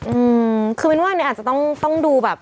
อืมคือมินว่าอันนี้อาจจะต้องต้องดูแบบ